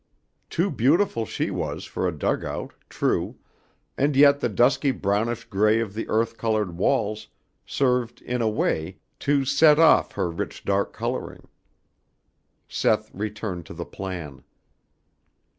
Too beautiful she was for a dugout, true, and yet the dusky brownish gray of the earth colored walls served in a way to set off her rich dark coloring. Seth returned to the plan.